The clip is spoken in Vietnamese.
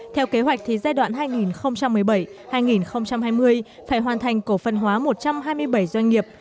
theo kế hoạch thì giai đoạn hai nghìn một mươi bảy hai nghìn hai mươi phải hoàn thành cổ phân hóa một trăm hai mươi bảy doanh nghiệp